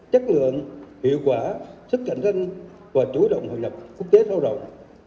chất lượng hiệu quả sức cạnh tranh và chủ động hội lập quốc tế sâu rộng